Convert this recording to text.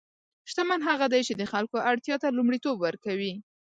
شتمن هغه دی چې د خلکو اړتیا ته لومړیتوب ورکوي.